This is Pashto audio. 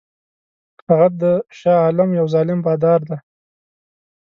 هغه د شاه عالم یو ظالم بادار دی.